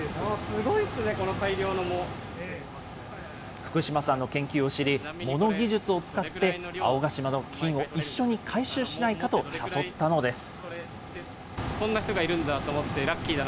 すごいっすね、福島さんの研究を知り、藻の技術を使って、青ヶ島の金を一緒に回収しないかと誘ったのです。